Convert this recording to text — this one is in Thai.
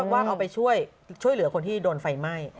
ว่าเอาไปช่วยเหลือคนที่โดนไฟไหม้